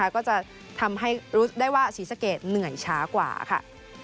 ก็จะทำให้รู้ได้ว่าศรีสะเกดเหนื่อยช้ากว่าค่ะ